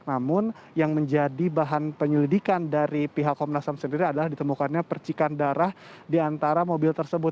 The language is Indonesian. namun yang menjadi bahan penyelidikan dari pihak komnas ham sendiri adalah ditemukannya percikan darah di antara mobil tersebut